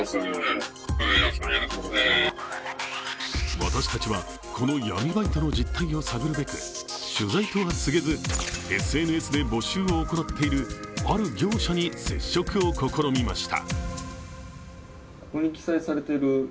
私たちはこの闇バイトの実態を探るべく、取材とは告げずＳＮＳで募集を行っている、ある業者に接触を試みました。